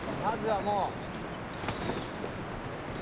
まずはもう。